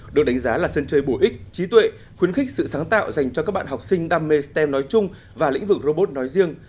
được đánh giá là sân chơi bổ ích trí tuệ khuyến khích sự sáng tạo dành cho các bạn học sinh đam mê stem nói chung và lĩnh vực robot nói riêng